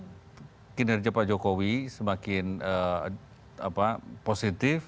mungkin dari jika pak jokowi semakin positif